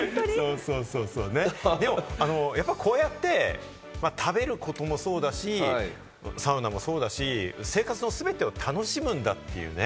やっぱこうやって食べることもそうだし、サウナもそうだし、生活の全てを楽しむんだというね。